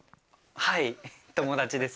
はい友達です。